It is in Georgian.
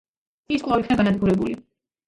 ის კვლავ იქნა განადგურებული.